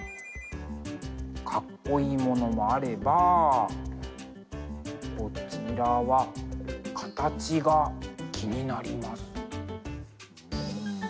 かっこいいものもあればこちらは形が気になります。